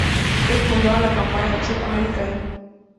Ellos fundaron la compañía Chef America Inc.